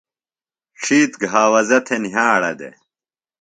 ڇِھیتر گھاوزہ تھےۡ نِھیاڑہ دےۡ۔